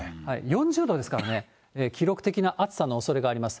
４０度ですからね、記録的な暑さのおそれがあります。